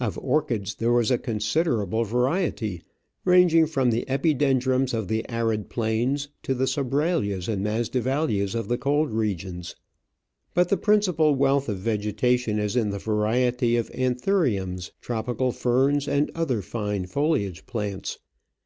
Of orchids there was a considerable variety, ranging from the Epidendrums of the arid plains to the Sobralias and Masdevallias of the cold regions ; but the principal wealth of vegetation is in the variety of Anthuriums, tropical ferns, and other fine foliage plants.